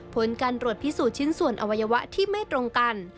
ผลการตรวจพิสูจน์ชิ้นส่วนอวัยวะที่ไม่ตรงกัน